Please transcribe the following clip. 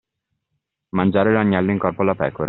Mangiare l'agnello in corpo alla pecora.